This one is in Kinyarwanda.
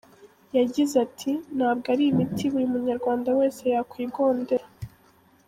Yagize ati “Ntabwo ari imiti buri munyarwanda wese yakwigondera.